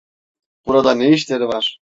Burada ne işleri var?